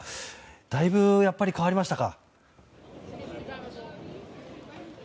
だいぶやっぱり変わりましたか？